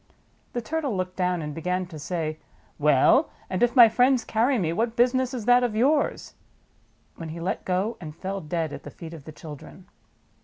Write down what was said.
The Turtle looked down and began to say, Wen, and if my friends carry me, what business is that of yours?" when he let go, and fell dead at the feet of the children.